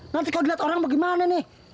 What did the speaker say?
nanti kalau dilihat orang bagaimana nih